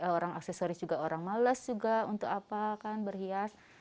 orang aksesoris juga orang males juga untuk apa kan berhias